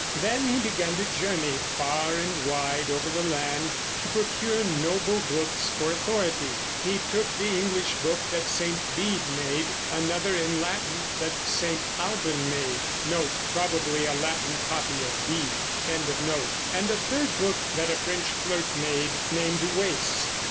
Then he began to journey far and wide over the land to procure noble books for authority. He took the English book that Saint Bede made, another in Latin that Saint Albin made, and a third book that a French clerk made, named Wace.